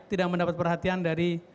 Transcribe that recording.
tidak mendapat perhatian dari